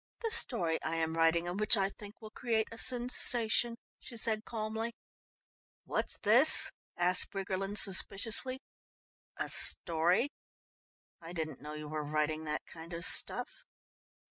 "The story I am writing and which I think will create a sensation," she said calmly. "What's this?" asked Briggerland suspiciously. "A story? I didn't know you were writing that kind of Stuff."